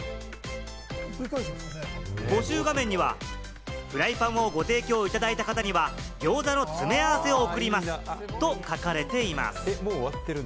募集画面には、フライパンをご提供いただいた方には、餃子の詰め合わせを贈りますと書かれています。